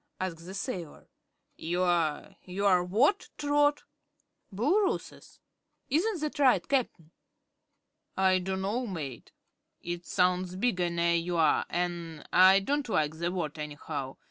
asked the sailor. "You're you're what, Trot?" "Booloorooess. Isn't that right, Cap'n?" "I dunno, mate. It sounds bigger ner you are, an' I don't like the word, anyhow.